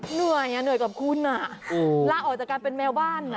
เหนื่อยเหนื่อยกับคุณลาออกจากการเป็นแมวบ้าน